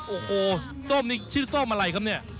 โอ้โหส้มนี่ชื่อส้มอะไรครับเนี่ย